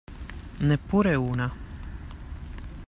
Neppure una.